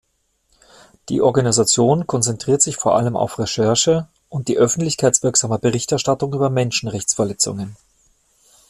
Die Organisation konzentriert sich vor allem auf Recherche und die öffentlichkeitswirksame Berichterstattung über Menschenrechtsverletzungen.